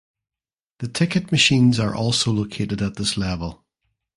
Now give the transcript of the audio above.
The ticket machines are also located at this level.